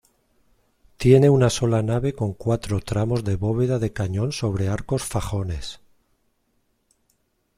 Tiene una sola nave con cuatro tramos de bóveda de cañón sobre arcos fajones.